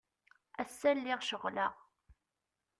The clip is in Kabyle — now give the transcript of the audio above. Ass-a lliɣ ceɣleɣ.